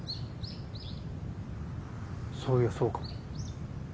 そういやそうかも。